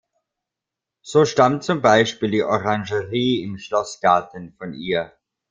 So stammt zum Beispiel die Orangerie im Schlossgarten von ihr.